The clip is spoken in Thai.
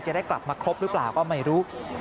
จะได้กลับมาครบหรือเปล่าก็ไม่รู้